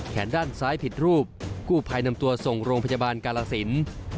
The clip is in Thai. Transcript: ด้านซ้ายผิดรูปกู้ภัยนำตัวส่งโรงพยาบาลกาลสิน